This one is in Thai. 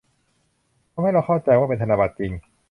ทำให้เราเข้าใจว่าเป็นธนบัตรจริง